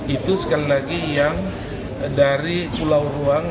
itu sekali lagi yang dari pulau ruang